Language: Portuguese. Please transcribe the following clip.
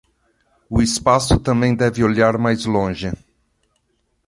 O espaço também deve olhar mais longe